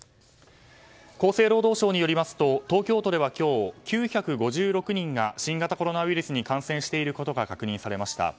厚生労働省によりますと東京都では今日９５６人が新型コロナウイルスに感染していることが確認されました。